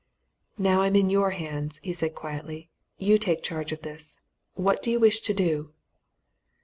"Now I'm in your hands," he said quietly. "You take charge of this. What do you wish to do?"